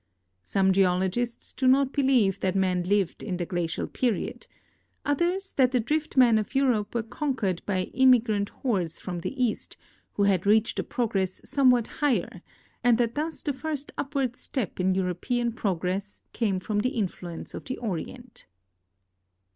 Some geologists do not believe that man lived in the glacial period ; others that the Drift men of Europe were conquered by immi grant hordes from the East, who had reached a progress some what higher, and that thus the first upward step in European progress came from the influence of the Orient.